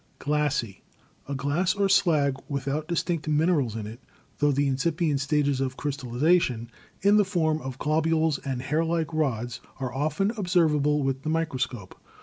Glassy. — A glass or slag without distinct min erals in it, tho the incipient stages of crystallization, in the form of globules and hairlike rods, are often observ able with the microscope.